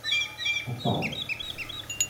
Aṭas!